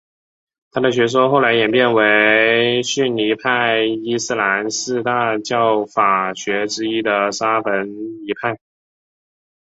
他的学说后来演变成为逊尼派伊斯兰四大教法学之一的沙斐仪派。